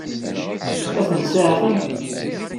Ad ten-seɛfen?